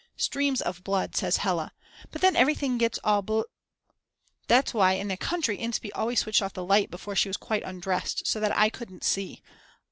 Streams of blood says Hella. But then everything gets all bl ... That's why in the country Inspee always switched off the light before she was quite undressed, so that I couldn't see.